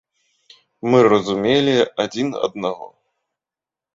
Мы разумелі адзін аднаго.